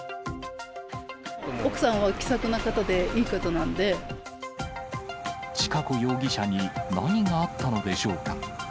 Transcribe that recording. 奥さんは気さくな方でいい方千賀子容疑者に何があったのでしょうか。